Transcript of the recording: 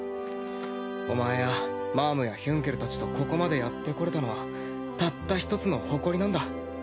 お前やマァムやヒュンケルたちとここまでやってこれたのはたった一つの誇りなんだ。